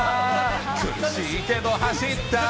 苦しいけど走った。